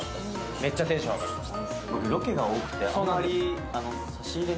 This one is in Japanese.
めっちゃテンション上がりました。